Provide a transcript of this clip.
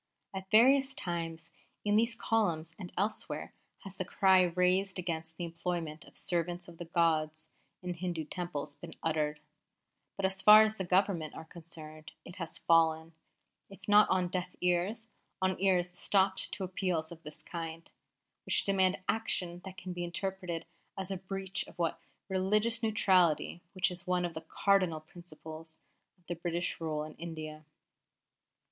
At various times, in these columns and elsewhere, has the cry raised against the employment of servants of the gods in Hindu Temples been uttered; but, as far as the Government are concerned, it has fallen, if not on deaf ears, on ears stopped to appeals of this kind, which demand action that can be interpreted as a breach of that religious neutrality which is one of the cardinal principles of British rule in India.